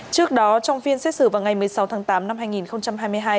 trước đó trong phiên xét xử vào ngày một mươi sáu tháng tám năm hai nghìn hai mươi hai